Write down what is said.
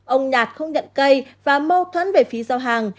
ông nhạt không nhận cây và mâu thuẫn về phí giao hàng